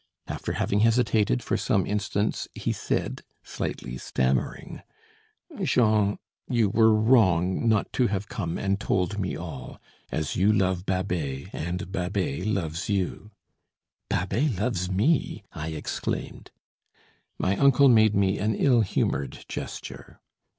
After having hesitated for some instants he said, slightly stammering: "Jean, you were wrong not to have come and told me all as you love Babet and Babet loves you " "Babet loves me!" I exclaimed. My uncle made me an ill humoured gesture.